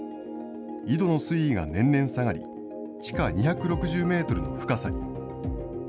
井戸の水位が年々下がり、地下２６０メートルの深さに。